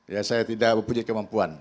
ya saya tidak mempunyai kemampuan